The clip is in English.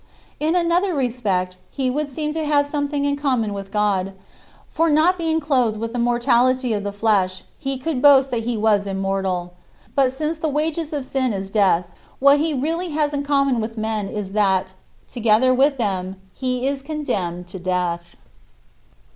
In another respect, he would seem to have something in common with God, for not being clothed with the mortality of the flesh, he could boast that he was immortal. But since "the wages of sin is death," what he really has in common with men is that, together with them, he is condemned to death.